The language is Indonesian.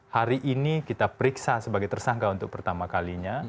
hari ini kita periksa sebagai tersangka untuk pertama kalinya